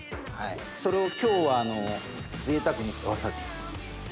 それを今日はぜいたくにわさび茎で。